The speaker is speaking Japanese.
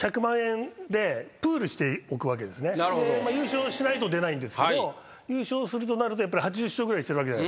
優勝しないと出ないんですけど優勝するとなると８０勝ぐらいしてるわけじゃないですか。